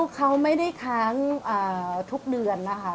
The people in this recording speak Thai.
เขาไม่ได้ค้างทุกเดือนนะคะ